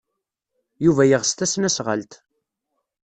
Yuba yeɣs tasnasɣalt.